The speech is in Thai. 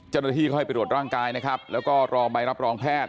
จนธิเขาให้ไปหลวดร่างกายนะครับแล้วก็รองใบรับรองแพทย์